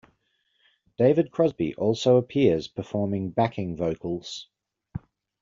David Crosby also appears performing backing vocals.